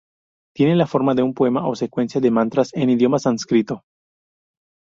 Tiene la forma de un poema o secuencia de mantras en idioma sánscrito.